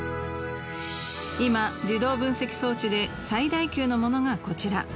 いま自動分析装置で最大級のものがこちら。